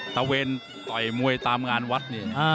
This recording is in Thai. ตะเวนต่อยมวยตามงานวัดนี่